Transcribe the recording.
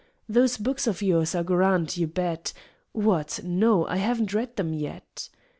"Those books of yours are grand, you bet! What? No, I haven't read them yet."